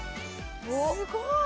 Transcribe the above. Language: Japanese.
「すごい！」